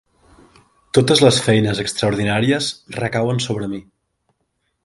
Totes les feines extraordinàries recauen sobre mi!